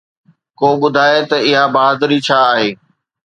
ڪو ٻڌائي ته اها بهادري ڇا آهي؟